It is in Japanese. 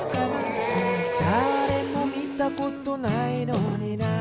「だれもみたことないのにな」